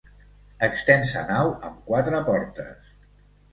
Extensa nau amb quatre portes.